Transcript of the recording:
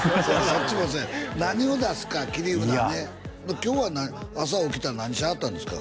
そっちもそうや何を出すか切り札ね今日は朝起きたら何しはったんですか？